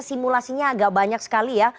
simulasinya agak banyak sekali ya